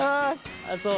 あっそう。